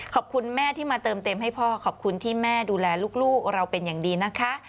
ขอบคุณแม่ที่มาเติมเต็มให้พ่อขอบคุณที่แม่ดูแลลูกเราเป็นอย่างดีนะคะ